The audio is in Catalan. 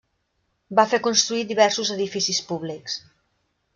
Va fer construir diversos edificis públics.